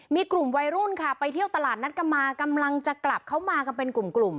มีกลุ่มวัยรุ่นค่ะไปเที่ยวตลาดนัดกรรมมากำลังจะกลับเข้ามากันเป็นกลุ่มกลุ่ม